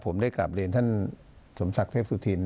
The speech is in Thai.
ผมได้กลับเรียนท่านสมศักดิ์เทพสุธิน